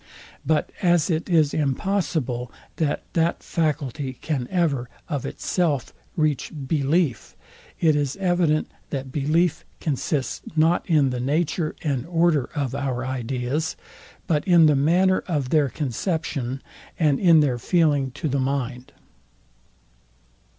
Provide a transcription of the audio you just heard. But as it is impossible, that that faculty can ever, of itself, reach belief, it is evident, that belief consists not in the nature and order of our ideas, but in the manner of their conception, and in their feeling to the mind.